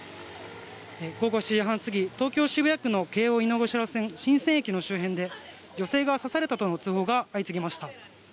午後７時半過ぎ東京・渋谷区の京王井の頭線、神泉駅の周辺で女性が刺されたとの通報が相次ぎました。